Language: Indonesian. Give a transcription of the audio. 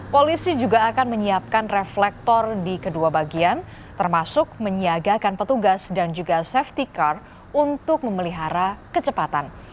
polisi juga akan menyiapkan reflektor di kedua bagian termasuk menyiagakan petugas dan juga safety car untuk memelihara kecepatan